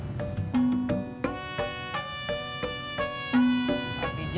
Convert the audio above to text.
ya makanya lo periksa dulu